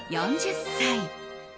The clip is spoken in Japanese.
４０歳。